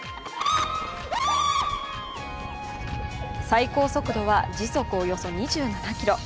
最高速度は時速およそ２７キロ。